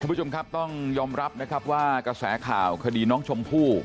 ผู้ชมครับต้องยอมรับนะครับว่ากระแสข่าวคดีน้องชมพู่